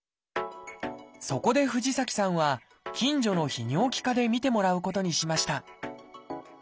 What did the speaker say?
そこで藤崎さんは近所の泌尿器科で診てもらうことにしました。